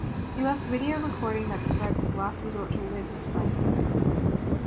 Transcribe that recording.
He left video recording that describes his last resort to live his friends.